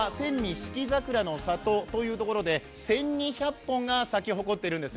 四季桜の里というところで、１２００本が咲き誇っているんです。